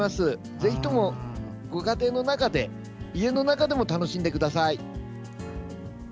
ぜひとも、ご家庭の中で家の中でも楽しんでください。